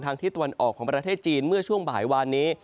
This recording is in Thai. ทิศตะวันออกของประเทศจีนเมื่อช่วงบ่ายวานนี้